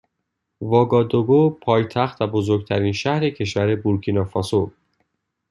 واگادوگو پایتخت و بزرگترین شهر کشور بورکینافاسو